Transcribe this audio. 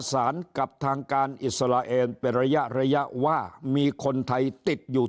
สารกับทางการอิสราเอลเป็นระยะระยะว่ามีคนไทยติดอยู่